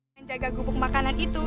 yang jaga gubuk makanan itu